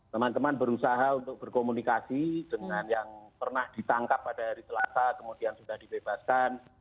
teman teman berusaha untuk berkomunikasi dengan yang pernah ditangkap pada hari selasa kemudian sudah dibebaskan